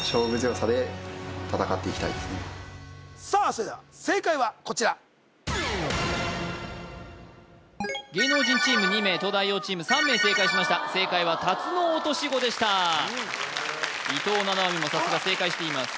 それでは正解はこちら芸能人チーム２名東大王チーム３名正解しました正解はタツノオトシゴでした伊藤七海もさすが正解しています